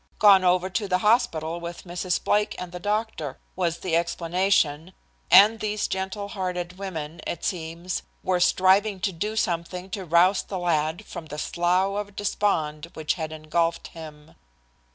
"Gone over to the hospital with Mrs. Blake and the doctor," was the explanation, and these gentle hearted women, it seems, were striving to do something to rouse the lad from the slough of despond which had engulfed him.